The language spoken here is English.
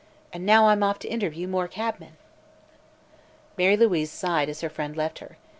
And now I'm off to interview more cabmen." Mary Louise sighed as her friend left her.